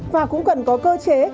và cũng cần có cơ chế